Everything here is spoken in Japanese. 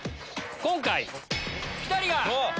今回ピタリが。